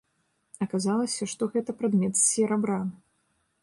Аказалася, што гэта прадмет з серабра.